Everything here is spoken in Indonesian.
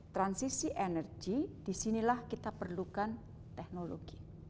transisi energi disinilah kita perlukan teknologi